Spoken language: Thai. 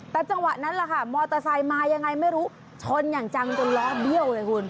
แต่จังหวะนั้นแหละค่ะมอเตอร์ไซค์มายังไงไม่รู้ชนอย่างจังจนล้อเบี้ยวเลยคุณ